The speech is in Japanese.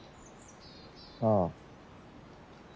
ああ。